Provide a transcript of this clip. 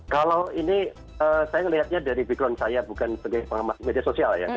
kalau ini saya melihatnya dari background saya bukan sebagai pengamat media sosial ya